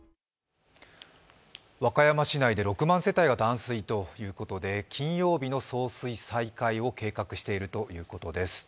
和歌山市内で６万世帯が断水ということで金曜日の送水再開を計画しているということです。